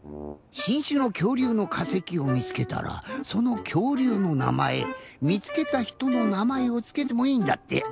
しんしゅのきょうりゅうのかせきをみつけたらそのきょうりゅうのなまえみつけたひとのなまえをつけてもいいんだって。